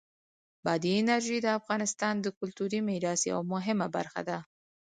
بادي انرژي د افغانستان د کلتوری میراث یوه مهمه برخه ده.